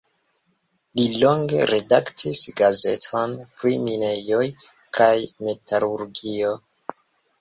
Li longe redaktis gazeton pri minejoj kaj metalurgio.